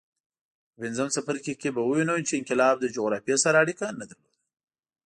په پنځم څپرکي کې به ووینو چې انقلاب له جغرافیې سره اړیکه نه درلوده.